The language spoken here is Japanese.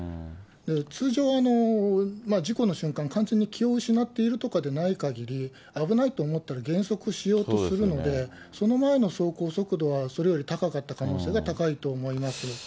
通常、事故の瞬間、完全に気を失っているとかではないかぎり、危ないと思ったら減速しようとするので、その前の走行速度はそれより高かった可能性が高いと思います。